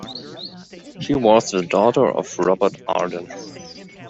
She was the daughter of Robert Arden.